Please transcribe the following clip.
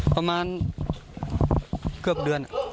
ประมาณเกือบเดือน